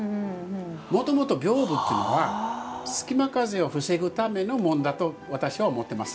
もともと屏風というのは隙間風を防ぐためのもんだと私は思ってます。